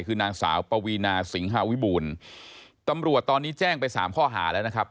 คือนางสาวปวีนาสิงหาวิบูรณ์ตำรวจตอนนี้แจ้งไปสามข้อหาแล้วนะครับ